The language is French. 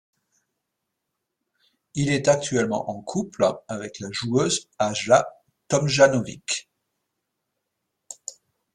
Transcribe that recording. Il est actuellement en couple avec la joueuse Ajla Tomljanović.